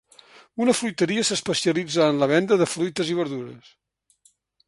Una fruiteria s"especialitza en la venda de fruites i verdures.